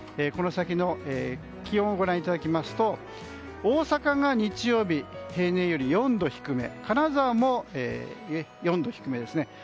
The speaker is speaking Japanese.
この先の気温をご覧いただきますと大阪が日曜日、平年より４度低め金沢も４度低めですね。